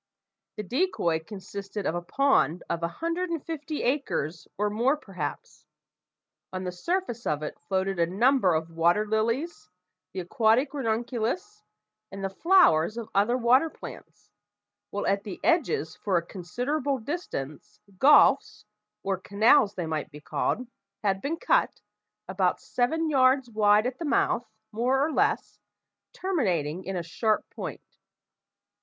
The decoy consisted of a pond of a hundred and fifty acres, or more perhaps. On the surface of it floated a number of water lilies, the aquatic ranunculus, and the flowers of other water plants, while at the edges for a considerable distance gulfs or canals, they might be called had been cut, about seven yards wide at the mouth, more or less, terminating in a sharp point.